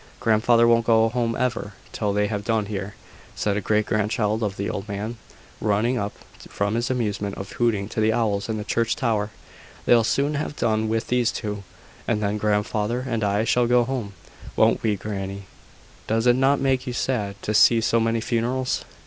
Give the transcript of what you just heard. "Grandfather won't go home ever, till they have done here," said a great grandchild of the old man, running up from his amusement of hooting to the owls in the church tower. "They'll soon have done with these two, and then grandfather and I shall go home. Won't we, granny?" "Does it not make you sad to see so many funerals?"